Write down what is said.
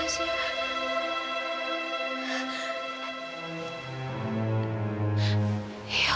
sudah fulalah sih pak